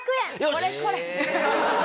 これこれ！